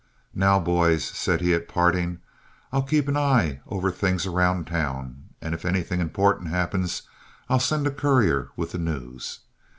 "Now, boys," said he, at parting, "I'll keep an eye over things around town, and if anything important happens, I'll send a courier with the news.